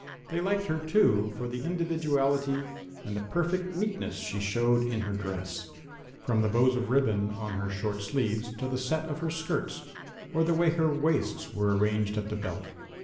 They liked her, too, for the individuality and perfect neatness she showed in her dress, from the bows of ribbon on her short sleeves to the set of her skirts or the way her waists were arranged at the belt.